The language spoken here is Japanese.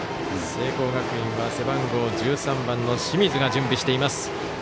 聖光学院は背番号１３番の清水が準備しています。